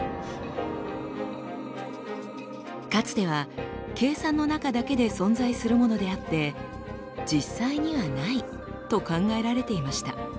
かつては計算の中だけで存在するものであって実際にはないと考えられていました。